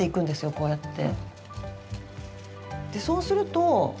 こうやって。